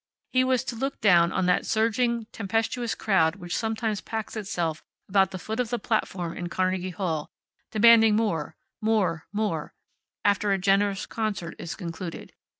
He was to look down on that surging, tempestuous crowd which sometimes packs itself about the foot of the platform in Carnegie Hall, demanding more, more, more, after a generous concert is concluded.